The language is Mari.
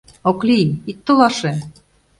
Окли, ит толаше!..